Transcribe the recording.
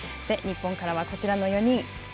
日本からはこちらの４人。